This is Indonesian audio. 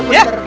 iya pak d